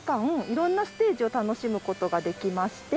いろんなステージを楽しむことができまして。